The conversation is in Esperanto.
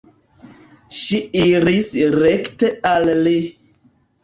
Ŝi iris rekte al li.